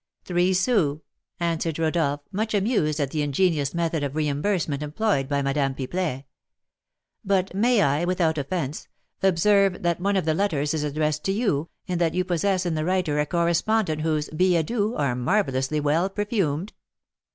"Three sous," answered Rodolph, much amused at the ingenious method of reimbursement employed by Madame Pipelet. "But may I, without offence, observe that one of the letters is addressed to you, and that you possess in the writer a correspondent whose billets doux are marvellously well perfumed?"